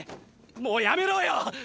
もうやめろよ！！